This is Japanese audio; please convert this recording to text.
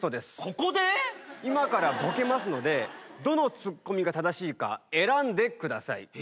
今からボケますのでどのツッコミが正しいか選んでください。